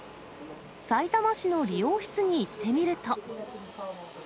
さいたま市の理容室に行ってみると。